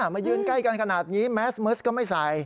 มายืนใกล้กันขนาดนี้แมสเมิร์สก็ไม่ใส่